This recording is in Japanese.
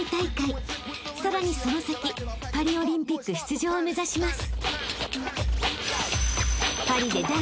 ［さらにその先パリオリンピック出場を目指します］